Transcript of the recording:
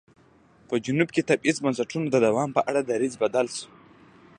په جنوب کې د تبعیض بنسټونو د دوام په اړه دریځ بدل شو.